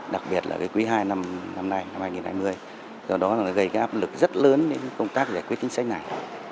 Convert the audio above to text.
năm nay năm hai nghìn hai mươi do đó gây áp lực rất lớn đến công tác giải quyết chính sách này